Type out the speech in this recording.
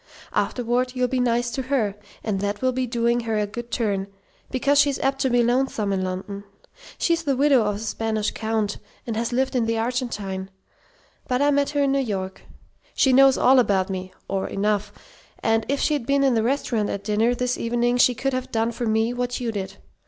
Afterward you'll be nice to her, and that will be doing her a good turn, because she's apt to be lonesome in London. She's the widow of a Spanish Count, and has lived in the Argentine, but I met her in New York. She knows all about me or enough and if she'd been in the restaurant at dinner this evening she could have done for me what you did.